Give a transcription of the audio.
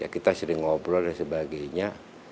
kita sering ngobrol dan sebagainya